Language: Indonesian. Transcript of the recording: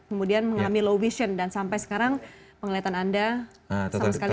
kemudian mengalami low vision dan sampai sekarang penglihatan anda sama sekali